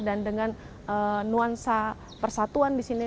dan dengan nuansa persatuan di sini